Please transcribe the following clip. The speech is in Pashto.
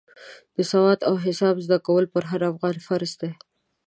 د سواد او حساب زده کول پر هر افغان فرض دی.